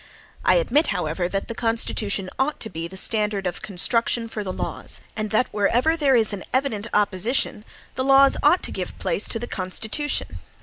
I admit, however, that the Constitution ought to be the standard of construction for the laws, and that wherever there is an evident opposition, the laws ought to give place to the Constitution.